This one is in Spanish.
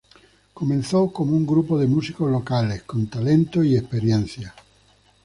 Comenzó como un grupo de músicos locales, con talento y con experiencia.